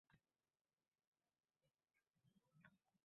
Mehmonim qoʻlimdan olaëtib: